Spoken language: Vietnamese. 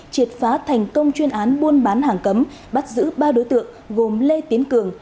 triệt phá thành công chuyên án buôn bán hàng cấm bắt giữ ba đối tượng gồm lê tiến cường